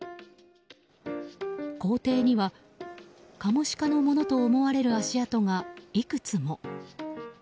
校庭には、カモシカのものと思われる足跡がいくつも。